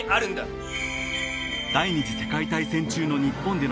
［第二次世界大戦中の日本での］